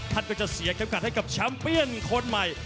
ท่านก็จะเสียจำกัดให้กับแชมป์เปียนคนใหม่